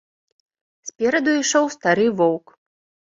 Спераду ішоў стары воўк.